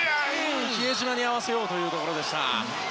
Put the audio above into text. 比江島に合わせようというところでした。